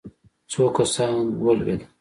څو کسان ولوېدل.